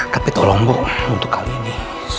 tapi tolong bung untuk kali ini